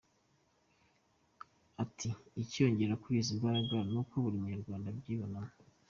Ati” Ikiyongera kuri izi mbaraga ni uko buri munyarwanda abyibonamo.